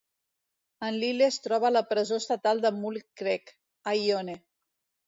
En Lyle es troba a la presó estatal de Mule Creek, a Ione.